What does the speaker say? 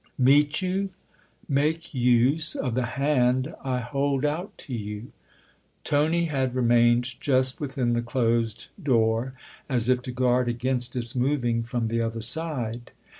11 Meet you ?"" Make use of the hand I hold out to you !" Tony had remained just within the closed door, as if to guard against its moving from the other side.